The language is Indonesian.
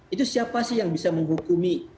itu siapa sih yang bisa menghukumi